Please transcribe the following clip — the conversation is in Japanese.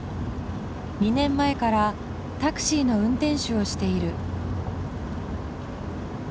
２年前からタクシーの運転手をしている。